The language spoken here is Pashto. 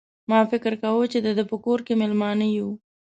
ما فکر کاوه چې د ده په کور کې مېلمانه یو.